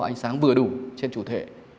ánh sáng vừa đủ trên chủ thể